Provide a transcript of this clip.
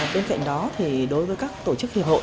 bên cạnh đó thì đối với các tổ chức hiệp hội